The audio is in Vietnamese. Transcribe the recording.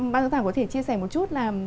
bác giáo thảo có thể chia sẻ một chút là